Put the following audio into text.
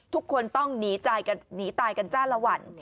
ทุกคนต้องหนีตายกันจ้าละวัน